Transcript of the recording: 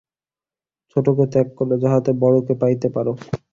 ছোটকে ত্যাগ কর, যাহাতে বড়কে পাইতে পার।